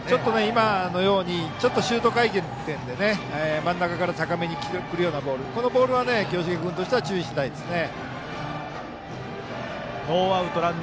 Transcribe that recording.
今のようにちょっとシュート回転で真ん中から高めに来るようなボールそのボールは清重君としては注意したいですね。